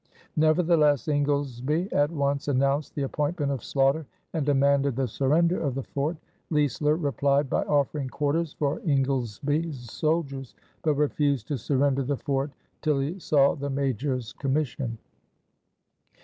Nevertheless Ingoldesby at once announced the appointment of Sloughter and demanded the surrender of the fort. Leisler replied by offering quarters for Ingoldesby's soldiers; but refused to surrender the fort till he saw the Major's commission.